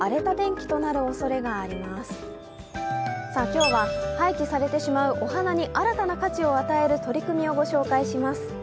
今日は、廃棄されてしまうお花に新たな価値を与える取り組みをご紹介します。